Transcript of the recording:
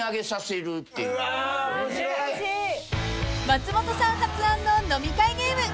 ［松本さん発案の飲み会ゲーム］